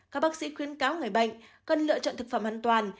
các bác sĩ khuyến cáo người bệnh cần lựa chọn thực phẩm an toàn